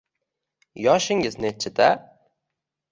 Yoshingiz nechchida